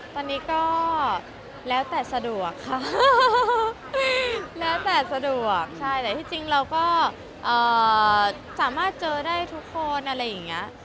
ตอนนี้ก็แล้วแต่สะดวกค่ะแล้วแต่สะดวกใช่แต่ที่จริงเราก็สามารถเจอได้ทุกคนอะไรอย่างนี้